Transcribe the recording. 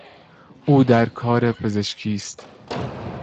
او در کار پزشکی است.